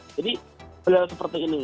jadi beda seperti ini